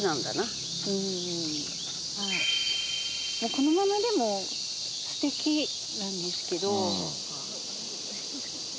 このままでも素敵なんですけど。